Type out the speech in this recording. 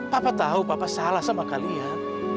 papa tahu papa salah sama kalian